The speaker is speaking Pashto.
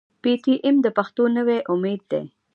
پي ټي ايم د پښتنو نوی امېد دی.